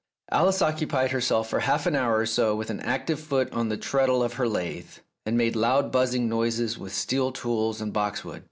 Alice occupied herself for half an hour or so with an active foot on the treadle of her lathe, and made loud buzzing noises with steel tools and boxwood.